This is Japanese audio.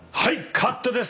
カットです。